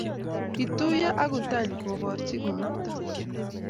kotuyio akukany keborchi kunakta